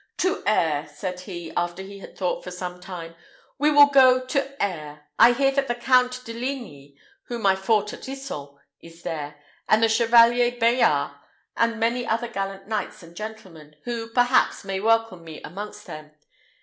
"To Aire," said he, after he had thought for some time. "We will go to Aire. I hear that the Count de Ligny, whom I fought at Isson, is there, and the Chevalier Bayard, and many other gallant knights and gentlemen, who, perhaps, may welcome me amongst them.